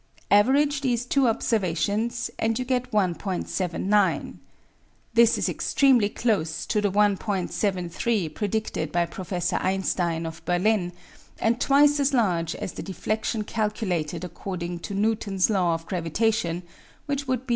Average these two observations and you get 1.79. This is extremely close to the 1.73 predicted by Pro fessor Einstein of Berlin and twice as large as the deflection calculated according to Newton's law of gravitation which would be